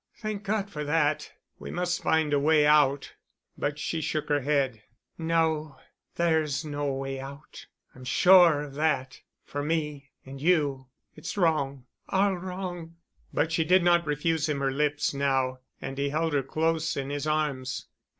"Thank God for that. We must find a way out——" But she shook her head. "No. There's no way out—I'm sure of that—for me—and you. It's wrong—all wrong——" But she did not refuse him her lips now and he held her close in his arms.